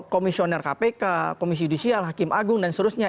komisioner kpk komisi judisial hakim agung dan seterusnya